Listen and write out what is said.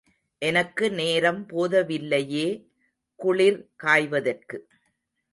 எனக்கு நேரம் போதவில்லையே குளிர் காய்வதற்கு.